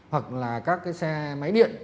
hoặc là các xe máy điện